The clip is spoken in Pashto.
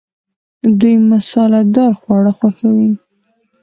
دوی مساله دار خواړه خوښوي.